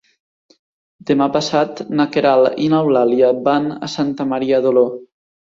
Demà passat na Queralt i n'Eulàlia van a Santa Maria d'Oló.